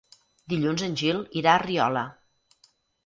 Dilluns en Gil irà a Riola.